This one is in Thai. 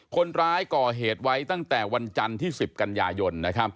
คนร้ายก่อเหตุไว้ตั้งแต่วันจันทร์ที่๑๐กันยายน